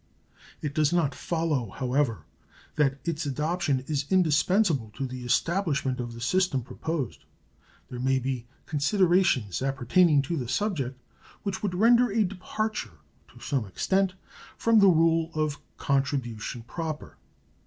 It does not follow, however, that its adoption is indispensable to the establishment of the system proposed. There may be considerations appertaining to the subject which would render a departure, to some extent, from the rule of contribution proper.